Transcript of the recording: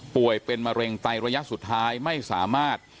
ป่วยเป็นมะเร็งไตระยะสุดท้ายไม่สามารถ